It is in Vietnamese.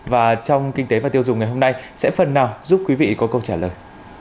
và trong kinh tế và tiêu dùng ngày hôm nay sẽ phần nào giúp quý vị có câu trả lời